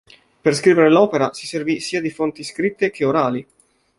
Per scrivere l'opera si servì sia di fonti scritte che orali.